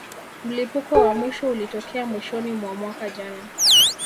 Mlipuko wa mwisho ulitokea mwishoni mwa mwaka jana